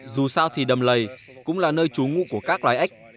dù sao thì đầm lầy cũng là nơi trú ngũ của các loài ếch